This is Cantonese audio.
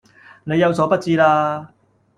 你有所不知啦